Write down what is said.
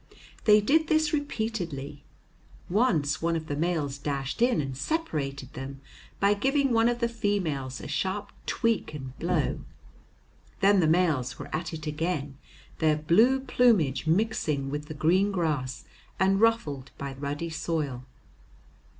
They did this repeatedly; once one of the males dashed in and separated them, by giving one of the females a sharp tweak and blow. Then the males were at it again, their blue plumage mixing with the green grass and ruffled by the ruddy soil.